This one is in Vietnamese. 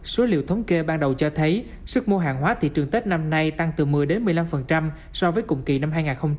số liệu thống kê ban đầu cho thấy sức mua hàng hóa thị trường tết năm nay tăng từ một mươi một mươi năm so với cùng kỳ năm hai nghìn hai mươi ba